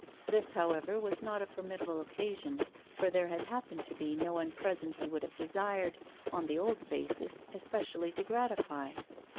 This, however, was not a formidable occasion, for there had happened to be no one present he would have desired, on the old basis, especially to gratify.